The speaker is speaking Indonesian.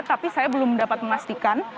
tapi saya belum dapat memastikan